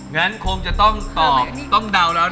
งั้นคงจะต้องตอบต้องเดาแล้ว